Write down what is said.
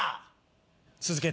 続けて。